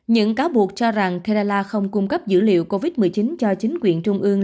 những cáo buộc cho rằng thela không cung cấp dữ liệu covid một mươi chín cho chính quyền trung ương